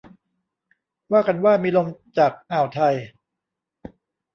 ว่ากันว่ามีลมจากอ่าวไทย